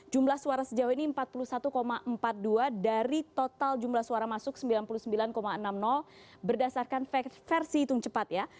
jumlah suara sejauh ini empat puluh satu empat puluh dua dari total jumlah suara masuk sembilan puluh sembilan enam puluh berdasarkan versi hitung cepat ya